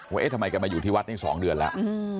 เอ๊ะทำไมแกมาอยู่ที่วัดนี้๒เดือนแล้ว